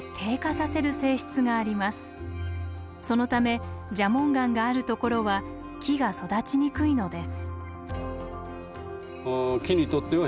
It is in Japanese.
そのため蛇紋岩があるところは木が育ちにくいのです。